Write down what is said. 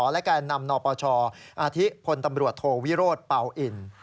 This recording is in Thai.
และแก่นำนปชอาทิพลตำรวจโทวิโรธเป่าอิน